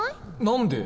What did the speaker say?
何で？